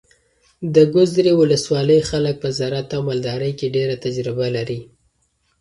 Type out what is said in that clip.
د ګذرې ولسوالۍ خلک په زراعت او مالدارۍ کې ډېره تجربه لري.